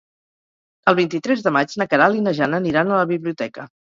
El vint-i-tres de maig na Queralt i na Jana aniran a la biblioteca.